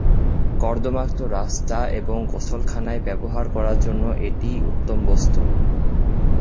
কর্দমাক্ত রাস্তা এবং গোসলখানায় ব্যবহার করার জন্য এটিই উত্তম বস্তু।